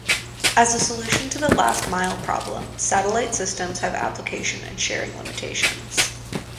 As a solution to the last-mile problem, satellite systems have application and sharing limitations.